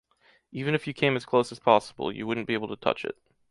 Even if you came as close as possible, you wouldn’t be able to touch it.